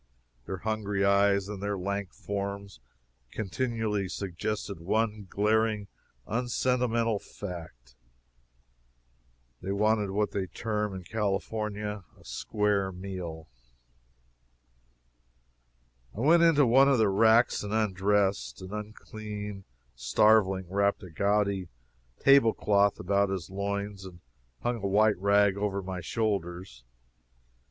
Their hungry eyes and their lank forms continually suggested one glaring, unsentimental fact they wanted what they term in California "a square meal." I went into one of the racks and undressed. An unclean starveling wrapped a gaudy table cloth about his loins, and hung a white rag over my shoulders.